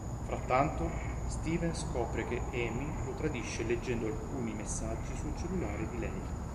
Frattanto, Steven scopre che Amy lo tradisce leggendo alcuni messaggi sul cellulare di lei.